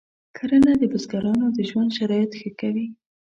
کرنه د بزګرانو د ژوند شرایط ښه کوي.